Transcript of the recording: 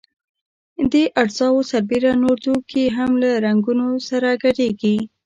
دې اجزاوو سربېره نور توکي هم له رنګونو سره ګډیږي.